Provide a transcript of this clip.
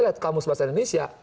lihat kamus bahasa indonesia